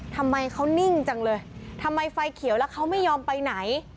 ทำไมเขานิ่งจังเลยทำไมไฟเขียวแล้วเขาไม่ยอมไปไหน